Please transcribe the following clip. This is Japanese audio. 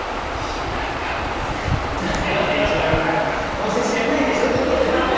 どうせ知らないんでしょ？ってことですよね。